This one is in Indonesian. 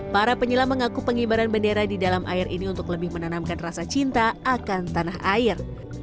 para penyelam mengaku pengibaran bendera di dalam air ini untuk lebih menanamkan rasa cinta akan tanah air